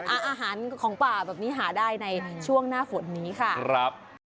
อาหารของป่าแบบนี้หาได้ในช่วงหน้าฝนนี้ค่ะครับ